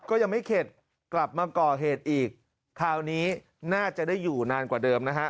ก็ยังไม่เข็ดกลับมาก่อเหตุอีกคราวนี้น่าจะได้อยู่นานกว่าเดิมนะฮะ